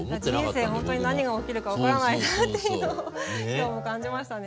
人生ほんとに何が起きるか分からないなっていうのを今日も感じましたね。